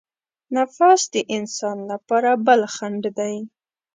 نفس د انسان لپاره بل خڼډ دی.